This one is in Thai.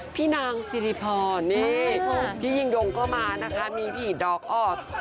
พี่นางสิริพรนี่พี่ยิ่งยงก็มานะคะมีผีดอกออก